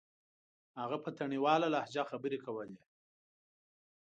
هغه په تڼيواله لهجه خبرې کولې.